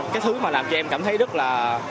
cái thứ mà làm cho em cảm thấy rất là